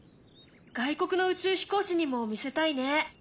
外国の宇宙飛行士にも見せたいね。